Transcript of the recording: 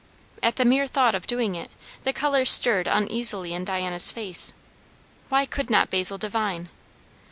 At the mere thought of doing it, the colour stirred uneasily in Diana's face. Why could not Basil divine?